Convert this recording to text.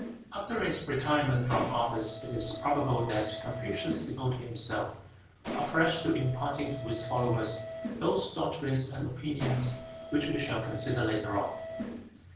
After his retirement from office it is probable that Confucius devoted himself afresh to imparting to his followers those doctrines and opinions which we shall consider later on.